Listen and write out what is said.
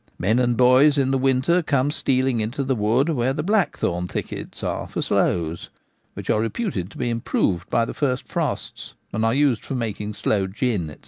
Men and boys in the winter come stealing into the wood where the blackthorn thickets are for sloes, which are reputed to be improved by the first frosts, and are used for making sloe gin, &c.